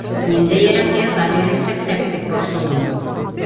Ниндәйерәк яза бирәсәктәр, тип борсолдом.